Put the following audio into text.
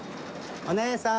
お姉さん。